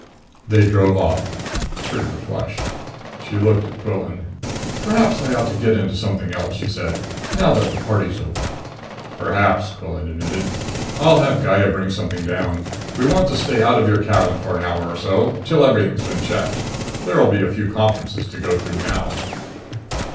They drove off. Trigger flushed. She looked at Quillan. "Perhaps I ought to get into something else," she said. "Now that the party's over." "Perhaps," Quillan admitted. "I'll have Gaya bring something down. We want to stay out of your cabin for an hour or so till everything's been checked. There'll be a few conferences to go through now."